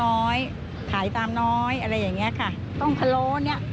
น้อยขายตามน้อยอะไรอย่างเงี้ยค่ะต้องพะโล้เนี้ย